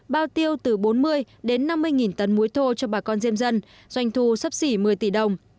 bao tiêu từ bốn mươi năm mươi nghìn tấn muối thô cho bà con diêm dân doanh thu sắp xỉ một mươi tỷ đồng